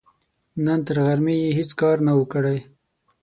نن تر غرمې يې هيڅ کار نه و، کړی.